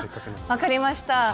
分かりました。